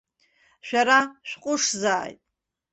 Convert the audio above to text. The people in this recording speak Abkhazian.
Шәара шәҟәышзааит.